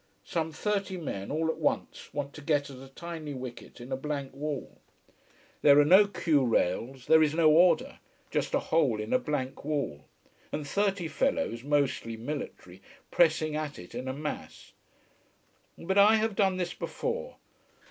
Some thirty men all at once want to get at a tiny wicket in a blank wall. There are no queue rails, there is no order: just a hole in a blank wall, and thirty fellows, mostly military, pressing at it in a mass. But I have done this before.